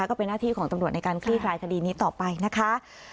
ก็เป็นหน้าที่ของตำรวจในการคลี่คลายคดีนี้ต่อไปนะคะ